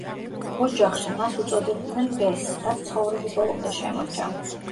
ოჯახში მას უწოდებდნენ ბესს, რაც ცხოვრების ბოლომდე შემორჩა.